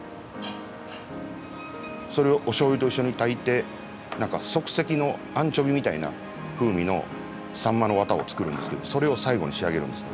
それをおしょうゆと一緒に炊いて何か即席のアンチョビみたいな風味のサンマのワタを作るんですけどそれを最後に仕上げるんですね。